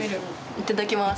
いただきます。